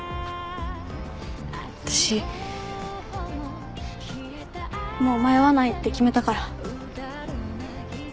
私もう迷わないって決めたから。